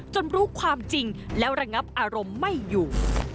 รู้ความจริงแล้วระงับอารมณ์ไม่อยู่